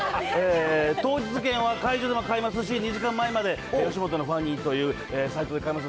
当日券は会場でも買えますし、２時間前まで吉本のファニーというサイトで買えます。